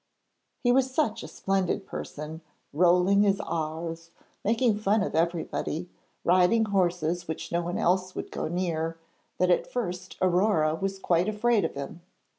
He was such a splendid person, rolling his r's, making fun of everybody, riding horses which no one else would go near, that at first Aurore was quite afraid of him.